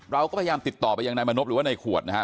เราก็พยายามติดต่อไปยังนายมณพหรือว่าในขวดนะฮะ